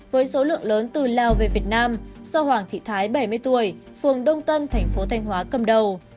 với số lượng lớn từ lào về việt nam do hoàng thị thái bảy mươi tuổi phường đông tân thành phố thanh hóa cầm đầu